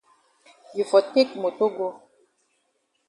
You for take moto go.